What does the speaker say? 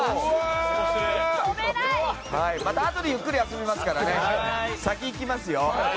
またあとでゆっくり遊びますから先行きますよ。